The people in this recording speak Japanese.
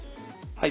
はい。